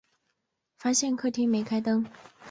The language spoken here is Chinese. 发现客厅没开灯